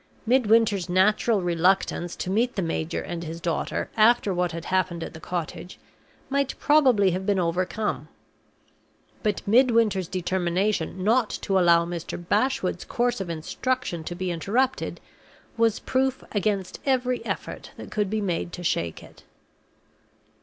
Midwinter's natural reluctance to meet the major and his daughter after what had happened at the cottage, might probably have been overcome. But Midwinter's determination not to allow Mr. Bashwood's course of instruction to be interrupted was proof against every effort that could be made to shake it.